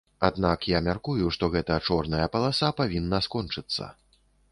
Аднак я мяркую, што гэта чорная паласа павінна скончыцца.